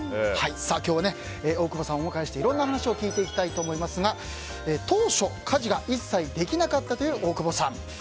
今日は大久保さんをお迎えしていろんな話を聞いていきたいと思いますが当初、家事が一切できなかったという大久保さん。